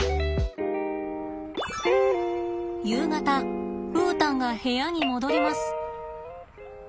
夕方ウータンが部屋に戻ります。